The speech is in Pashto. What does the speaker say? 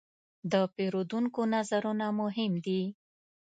د پیرودونکو نظرونه مهم دي.